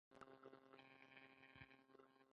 د کندز ابي ځمکې شالې کوي؟